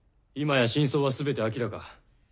今や真相はすべては明らか。